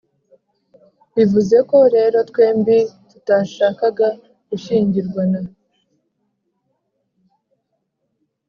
bivuzeko rero twembi tutashakaga gushyingirwana